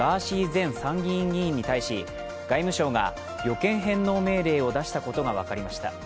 前参議院議員に対し外務省が旅券返納命令を出したことが分かりました。